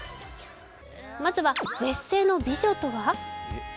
まずは絶世の美女とは？